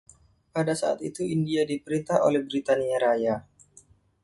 Pada saat itu India diperintah oleh Britania Raya.